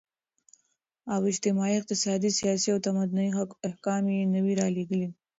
او اجتماعي، اقتصادي ، سياسي او تمدني احكام ئي نوي راليږلي